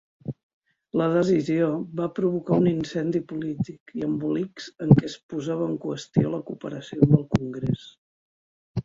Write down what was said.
La decisió va provocar un incendi polític i embolics en què es posava en qüestió la cooperació amb el Congrés.